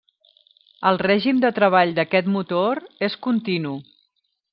El règim de treball d'aquest motor és continu.